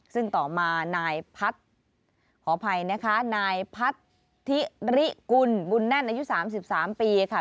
ซึ่งต่อมานายพัทธิริกุลบุญแน่นอายุ๓๓ปีค่ะ